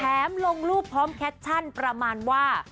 ลงรูปพร้อมแคปชั่นประมาณว่า